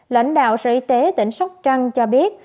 lãnh đạo sở y tế tỉnh sóc trăng cho biết